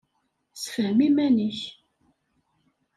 Sefhem iman-ik.